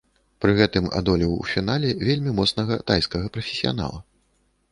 Пры гэтым адолеў у фінале вельмі моцнага тайскага прафесіянала.